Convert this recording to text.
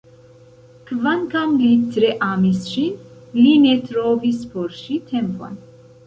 Kvankam li tre amis ŝin, li ne trovis por ŝi tempon.